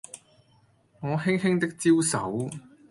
我輕輕的招手